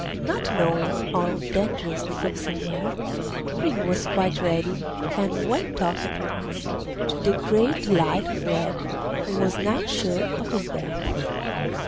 Not knowing how dangerous the oxen were, Ring was quite ready, and went off at once, to the great delight of Red, who was now sure of his death.